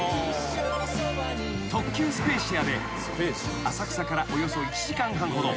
［特急スペーシアで浅草からおよそ１時間半ほど］